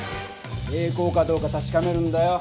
平行かどうかたしかめるんだよ。